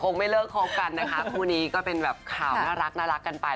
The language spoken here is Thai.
แต่คงไม่เลิกครบกันนะคะคู่นี้ก็เป็นแบบข่าวน่ารักน่ารักกันไป